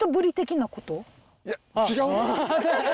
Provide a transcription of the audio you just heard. いや違う。